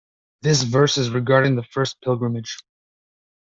This verse is regarding The first pilgrimage.